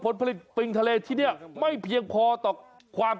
สูงหลายเท่าตัว